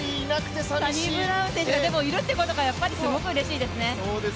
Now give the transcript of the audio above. サニブラウン選手がいるってことがすばらしいですよね。